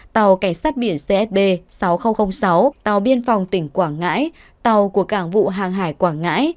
tàu cảnh sát biển csb sáu nghìn sáu tàu biên phòng tỉnh quảng ngãi tàu của cảng vụ hàng hải quảng ngãi